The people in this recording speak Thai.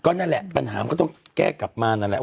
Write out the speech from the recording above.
นั่นแหละปัญหามันก็ต้องแก้กลับมานั่นแหละ